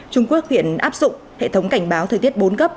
trung quốc hiện áp dụng hệ thống cảnh báo thời tiết bốn cấp